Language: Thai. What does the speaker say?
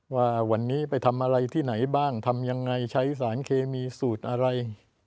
ว่าวันนี้ไปทำอะไรที่ไหนบ้างทำยังไงใช้สารเคมีสูตรอะไร